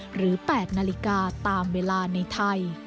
หรือ๘นาฬิกาตามเวลาในไทย